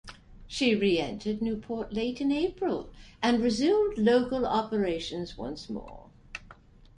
She re-entered Newport late in April and resumed local operations once more.